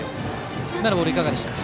今のボールはいかがですか？